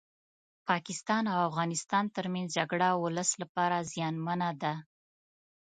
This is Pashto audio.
پاکستان او افغانستان ترمنځ جګړه ولس لپاره زيانمنه ده